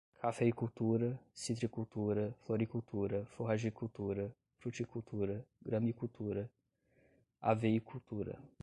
cafeicultura, citricultura, floricultura, forragicultura, fruticultura, gramicultura, haveicultura